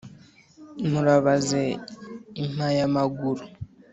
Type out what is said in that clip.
murabaze impayamaguru